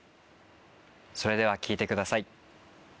それでは聴いてください。